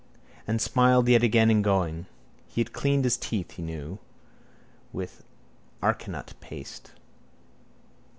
And smiled yet again, in going. He had cleaned his teeth, he knew, with arecanut paste.